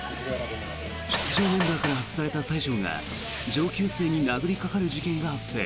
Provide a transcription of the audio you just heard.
出場メンバーから外された西条が上級生に殴りかかる事件が発生！